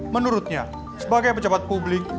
menurutnya sebagai pejabat publik